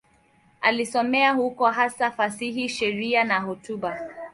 Alisomea huko, hasa fasihi, sheria na hotuba.